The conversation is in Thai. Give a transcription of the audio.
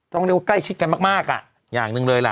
ต้องเรียกว่าใกล้ชิดกันมากอ่ะอย่างหนึ่งเลยล่ะ